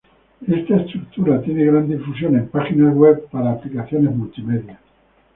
Esta estructura tiene gran difusión en aplicaciones web para aplicaciones multimedia.